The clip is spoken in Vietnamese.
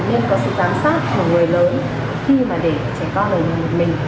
khi mà để trẻ con ở nhà một mình